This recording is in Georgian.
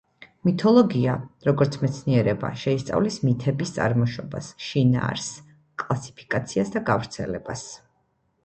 მითოლოგია, როგორც მეცნიერება, შეისწავლის მითების წარმოშობას, შინაარსს, კლასიფიკაციას და გავრცელებას.